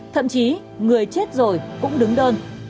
thậm chí người chết rồi cũng đứng đơn